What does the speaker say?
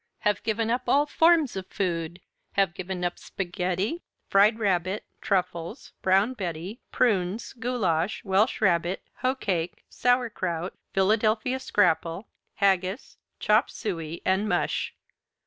Have given up all forms of food. Have given up spaghetti, fried rabbit, truffles, brown betty, prunes, goulash, welsh rabbit, hoecake, sauerkraut, Philadelphia scrapple, haggis, chop suey, and mush.